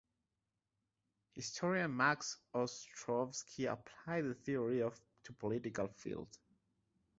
Historian Max Ostrovsky applied the theory to political field.